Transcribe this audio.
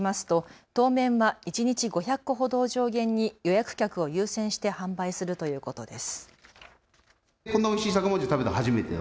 店によりますと当面は一日５００個ほどを上限に予約客を優先して販売するということです。